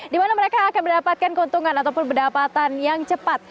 di mana mereka akan mendapatkan keuntungan ataupun pendapatan yang cepat